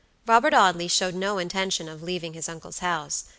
Robert Audley showed no intention of leaving his uncle's house.